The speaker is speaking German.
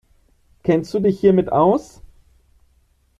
Kennst du dich hiermit aus?